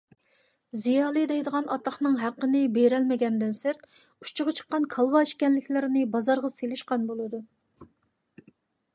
زىيالىي دەيدىغان ئاتاقنىڭ ھەققىنى بېرەلمىگەندىن سىرت ئۇچىغا چىققان كالۋا ئىكەنلىكلىرىنى بازارغا سېلىشقان بولىدۇ.